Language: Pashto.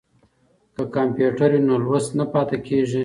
که کمپیوټر وي نو لوست نه پاتې کیږي.